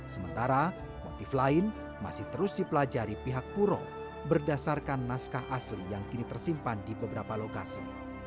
sementara motif lain masih terus dipelajari pihak puro berdasarkan naskah asli yang kini tersimpan di beberapa lokasi